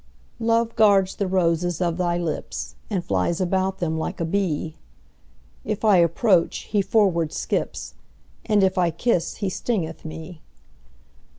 Love guards the roses of thy lips, And flies about them like a bee: If I approach, he forward skips, And if I kiss, he stingeth me.